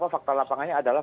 fakta lapangannya adalah